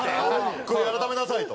悔い改めなさいと。